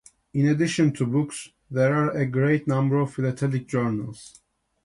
In addition to books, there are a great number of philatelic journals.